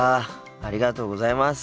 ありがとうございます。